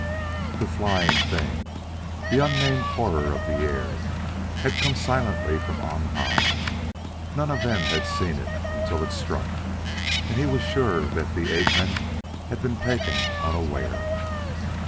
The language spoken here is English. The flying thing, the unnamed horror of the air, had come silently from on high. None of them had seen it until it struck, and he was sure that the ape men had been taken unaware.